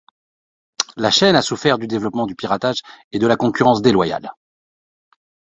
La chaîne a souffert du développement du piratage, et de la concurrence déloyale.